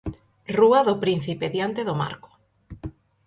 Rúa do Príncipe, diante do Marco.